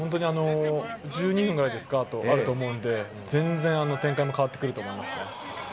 １２分ぐらいですか、あとあると思うので全然展開も変わってくると思いますね。